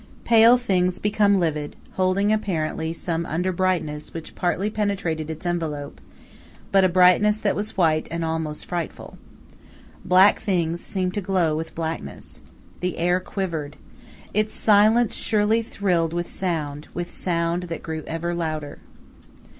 Pale things became livid, holding apparently some under brightness which partly penetrated its envelope, but a brightness that was white and almost frightful. Black things seemed to glow with blackness. The air quivered. Its silence surely thrilled with sound with sound that grew ever louder.